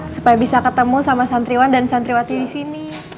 supaya bisa ketemu sama santriwan dan santriwati di sini